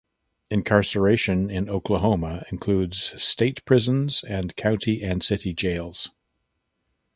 Incarceration in Oklahoma includes state prisons and county and city jails.